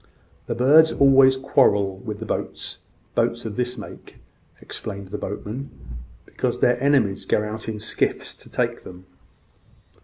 "The birds always quarrel with the boats boats of this make," explained the boatman; "because their enemies go out in skiffs to take them.